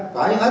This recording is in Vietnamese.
phải hết sức